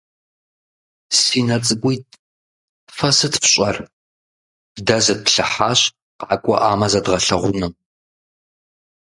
Си нэ цӀыкӀуитӀ, фэ сыт фщӀар? - Дэ зытплъыхьащ, къакӀуэӀамэ зэдгъэлъэгъуну.